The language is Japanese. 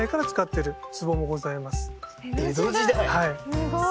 すごい！